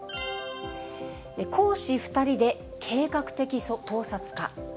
講師２人で計画的盗撮か。